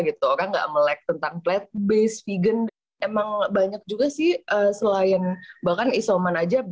gitu orang gak melek tentang plate based vegan emang banyak juga sih selain bahkan isoman aja